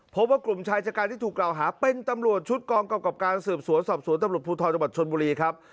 พบว่ากลุ่มชายชะการที่ถูกกล่าวหาเป็นตำรวจชุดกองกำกับการสืบสวนสอบสวนตำรวจภูทรจังหวัดชนบุรีครับ